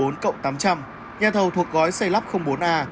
nhà thầu thuộc gói xây lắp bốn a